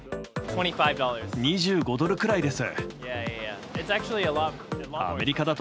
２５ドルくらいです。